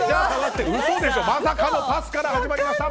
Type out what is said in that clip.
まさかのパスから始まりました。